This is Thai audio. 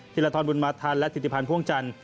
ละทรบุญมาธันและธิติพันธ์พ่วงจันท